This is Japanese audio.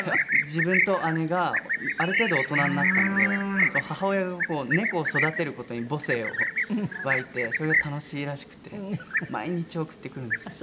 自分と姉がある程度大人になったので母親が猫を育てる事に母性を湧いてそれが楽しいらしくて毎日送ってくるんですよ。